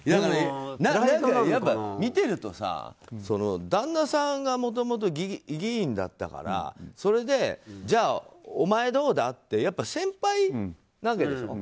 やっぱ、見てるとさ旦那さんがもともと議員だったからそれでじゃあ、お前どうだ？って先輩なわけでしょ。